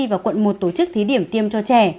và quận một tổ chức thí điểm tiêm cho trẻ